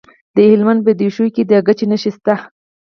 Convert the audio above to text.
د هلمند په دیشو کې د ګچ نښې شته.